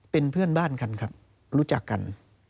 เป็นเพื่อนบ้านกันครับรู้จักกัน